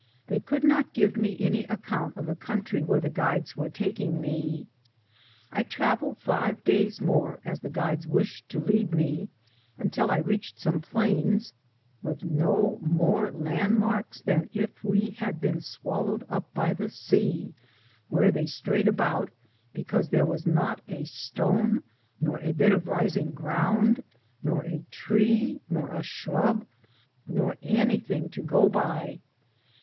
They could not give me any account of the country where the guides were taking me. I traveled five days more as the guides wished to lead me, until I reached some plains, with no more landmarks than as if we had been swallowed up in the sea, where they strayed about, because there was not a stone, nor a bit of rising ground, nor a tree, nor a shrub, nor anything to go by.